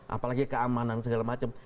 apalagi keamanan segala macam